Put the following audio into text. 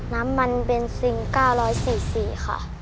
น้ำมันเบนซิน๙๐๐ซีซีค่ะ